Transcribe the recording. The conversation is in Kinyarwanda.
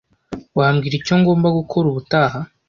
Wambwira icyo ngomba gukora ubutaha?